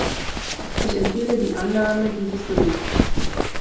Ich empfehle die Annahme dieses Berichts.